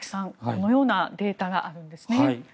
このようなデータがあるんですね。